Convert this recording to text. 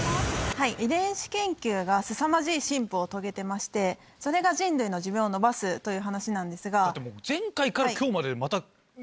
遺伝子研究がすさまじい進歩を遂げてましてそれが。という話なんですが。